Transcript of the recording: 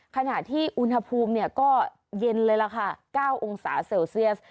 ขณะที่อุณหภูมิก็เย็นเลยล่ะค่ะ๙องศาเซลเซียส